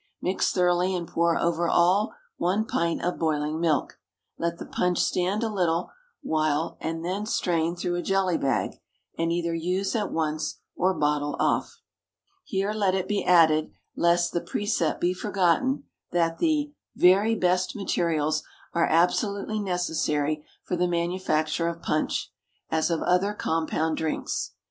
Mix thoroughly, and pour over all one pint of boiling milk. Let the punch stand a little while, then strain through a jelly bag, and either use at once, or bottle off. Here let it be added, lest the precept be forgotten, that the Very best Materials are absolutely necessary for the manufacture of punch, as of other compound drinks.